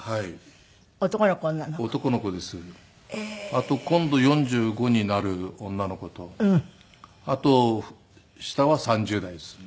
あと今度４５になる女の子とあと下は３０代ですね。